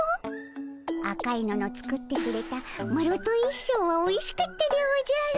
赤いのの作ってくれたマロと一緒ぉはおいしかったでおじゃる。